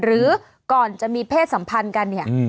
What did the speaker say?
หรือก่อนจะมีเพศสัมพันธ์กันเนี่ย